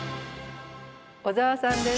小沢さんです。